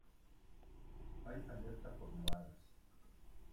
Hay alerta por nevadas.